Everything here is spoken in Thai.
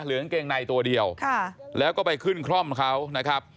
กางเกงในตัวเดียวแล้วก็ไปขึ้นคร่อมเขานะครับ